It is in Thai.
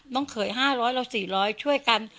เขย๕๐๐เรา๔๐๐ช่วยกัน